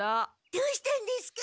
どうしたんですか？